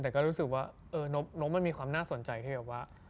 แต่ก็รู้สึกว่านมมันมีความน่าสนใจว่าเท่าไหร่วะ